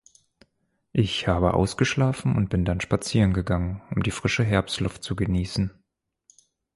Ich habe ausgeschlafen und bin dann spazieren gegangen, um die frische Herbstluft zu genießen.